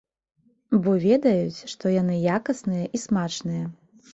Бо ведаюць, што яны якасныя і смачныя.